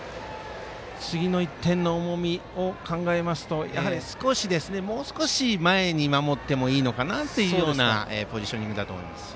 次の１点の重みを考えますともう少し前に守ってもいいのかなというようなポジショニングだと思います。